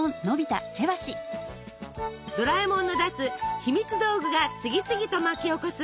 ドラえもんの出す「ひみつ道具」が次々と巻き起こす